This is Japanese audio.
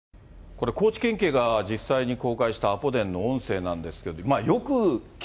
これ高知県警が実際に公開したアポ電の音声なんですけど、よ